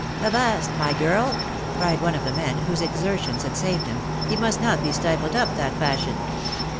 " Avast, my girl !" cried one of the men whose exertions had saved him, " he must not be stifled up that fashion."